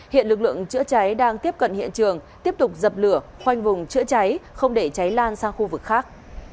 hiện lực lượng chữa cháy đang tiếp cận hiện trường tiếp tục dập lửa khoanh vùng chữa cháy không để cháy lan sang khu vực khác